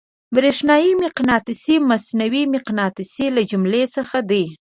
برېښنايي مقناطیس د مصنوعي مقناطیس له جملې څخه دی.